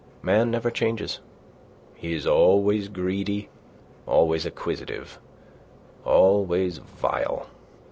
Man never changes. He is always greedy, always acquisitive, always vile.